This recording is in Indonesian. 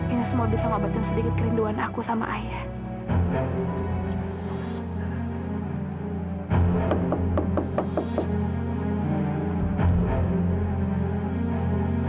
ini semua bisa ngobatkan sedikit kerinduan aku sama ayah